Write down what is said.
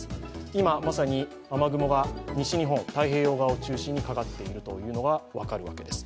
今まさに雨雲が西日本、太平洋側を中心にかかっているのが分かるわけです。